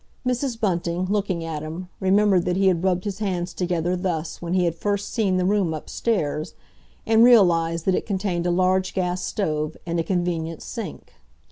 Mrs. Bunting, looking at him, remembered that he had rubbed his hands together thus when he had first seen the room upstairs, and realised that it contained a large gas stove and a convenient sink.